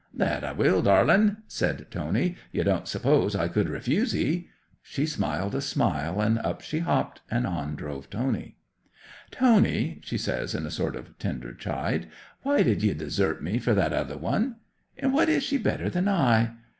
'"That I will, darling," said Tony. "You don't suppose I could refuse 'ee?" 'She smiled a smile, and up she hopped, and on drove Tony. '"Tony," she says, in a sort of tender chide, "why did ye desert me for that other one? In what is she better than I?